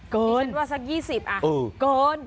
เกินอีกคือว่าสัก๒๐อ่ะเกิน